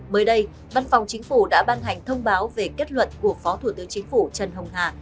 mới đây văn phòng chính phủ đã ban hành thông báo về kết luận của phó thủ tướng chính phủ trần hồng hà